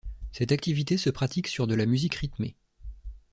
Cette activité se pratique sur de la musique rythmée.